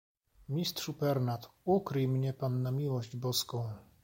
"„Mistrzu Pernat, ukryj mnie pan na miłość Boską."